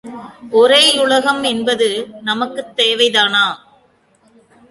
ஒரே யுலகம் என்பது நமக்குத் தேவைதானா?